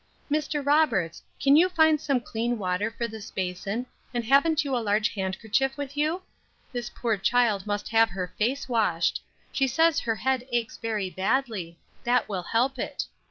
"Mr. Roberts, can you find some clean water for this basin, and haven't you a large handkerchief with you? This poor child must have her face washed. She says her head aches very badly; that will help it.